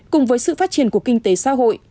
cùng với sự phát triển của kinh tế xã hội